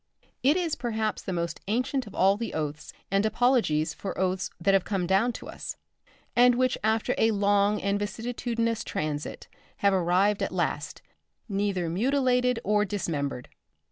It is perhaps the most ancient of all the oaths and apologies for oaths that have come down to us, and which after a long and vicissitudinous transit have arrived at last, neither mutilated or dismembered.